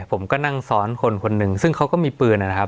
ผมก็นั่งซ้อนคนคนหนึ่งซึ่งเขาก็มีปืนนะครับ